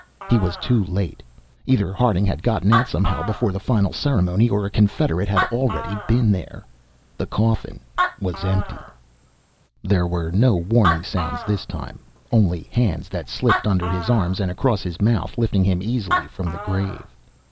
He was too late. Either Harding had gotten out somehow before the final ceremony or a confederate had already been here. The coffin was empty. There were no warning sounds this time only hands that slipped under his arms and across his mouth, lifting him easily from the grave.